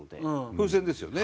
風船ですよね。